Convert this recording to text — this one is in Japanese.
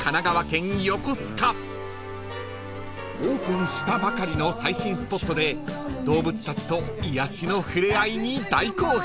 ［オープンしたばかりの最新スポットで動物たちと癒やしの触れ合いに大興奮］